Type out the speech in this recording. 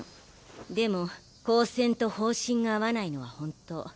でも高専と方針が合わないのは本当。